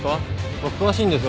僕詳しいんですよ